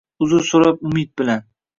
Uzr so’rab, umid bilan